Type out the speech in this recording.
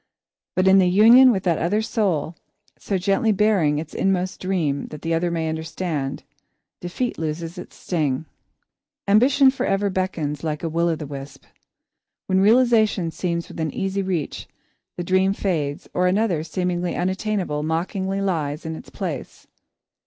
But in the union with that other soul, so gently baring its inmost dream that the other may understand, defeat loses its sting. [Sidenote: The Sanctuary of that Other Soul] Ambition forever beckons, like a will o' the wisp. When realisation seems within easy reach, the dream fades, or another, seemingly unattainable, mockingly takes its place.